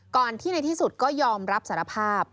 ก่อนที่ในที่สุดก็ยอมรับสารภาพ